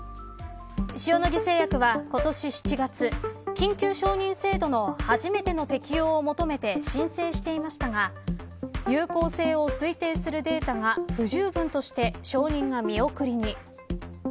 塩野義製薬は、今年７月緊急承認制度の初めての適用を求めて申請していましたが有効性を推定するデータが不十分として、承認が見送りに。